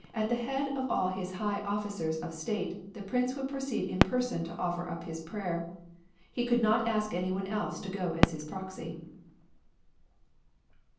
At the head of all his high officers of State, the prince would proceed in person to offer up his prayer. He could not ask any one else to go as his proxy."